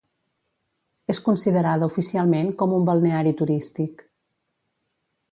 És considerada oficialment com un balneari turístic.